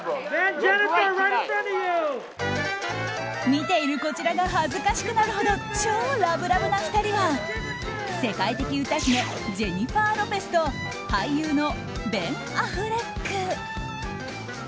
見ているこちらが恥ずかしくなるほど超ラブラブな２人は世界的歌姫ジェニファー・ロペスと俳優のベン・アフレック。